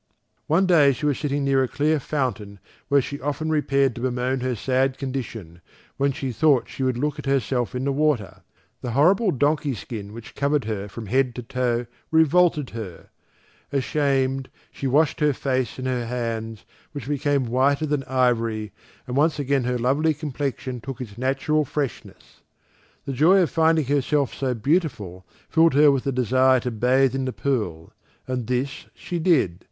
One day she was sitting near a clear fountain where she often repaired to bemoan her sad condition, when she thought she would look at herself in the water. The horrible donkey skin which covered her from head to toe revolted her. Ashamed, she washed her face and her hands, which became whiter than ivory, and once again her lovely complexion took its natural freshness. The joy of finding herself so beautiful filled her with the desire to bathe in the pool, and this she did.